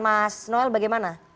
mas noel bagaimana